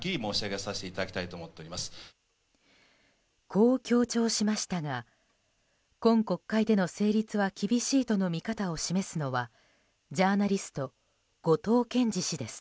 こう強調しましたが今国会での成立は厳しいとの見方を示すのはジャーナリスト後藤謙次氏です。